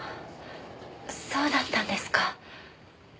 そうだったんですか？